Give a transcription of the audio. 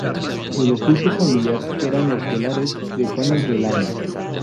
El oficio familiar eran los telares de paños de lana.